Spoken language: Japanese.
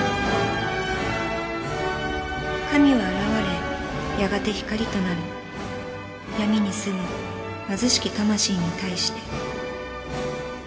「神は現れやがて光となる」「闇に住む貧しき魂に対して」